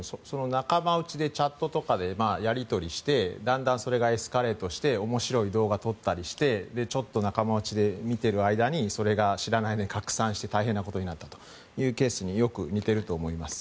仲間内でチャットとかでやり取りをしてだんだんそれがエスカレートして面白い動画を撮ったりしてちょっと仲間内で見ている間にそれが知らないで拡散して大変なことになったというケースもよく似ていると思います。